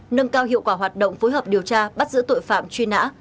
nâng cao hiệu quả hoạt động phối hợp điều tra bắt giữ tội phạm truy nã